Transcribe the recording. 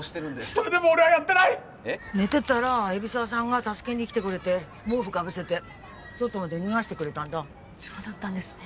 それでも俺はやってない寝てたら海老沢さんが助けに来てくれて毛布かぶせて外まで逃がしてくれたんだそうだったんですね